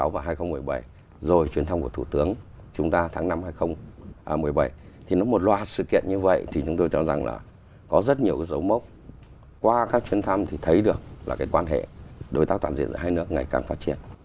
và hai nghìn một mươi bảy rồi chuyến thăm của thủ tướng chúng ta tháng năm hai nghìn một mươi bảy thì nó một loạt sự kiện như vậy thì chúng tôi chẳng rằng là có rất nhiều dấu mốc qua các chuyến thăm thì thấy được là cái quan hệ đối tác toàn diện giữa hai nước ngày càng phát triển